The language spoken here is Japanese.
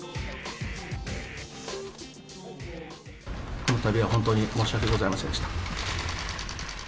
このたびは本当に申し訳ございませんでした。